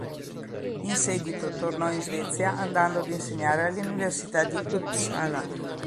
In seguito tornò in Svezia andando ad insegnare all'Università di Uppsala.